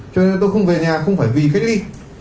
cho nên tôi không về nhà không phải vì cách ly